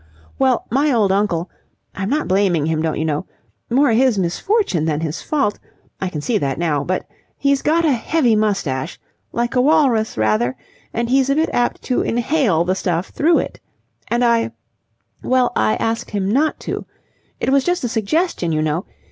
"Well, my old uncle I'm not blaming him, don't you know more his misfortune than his fault I can see that now but he's got a heavy moustache. Like a walrus, rather, and he's a bit apt to inhale the stuff through it. And I well, I asked him not to. It was just a suggestion, you know.